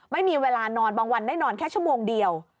ไม่มีเวลานอนบางวันได้นอนแค่ชั่วโมงเดียว